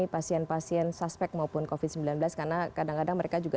pasien pasien suspek maupun covid sembilan belas karena kadang kadang mereka juga